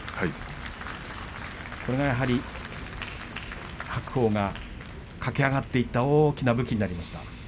これがやはり白鵬が駆け上がっていった大きな武器になりました。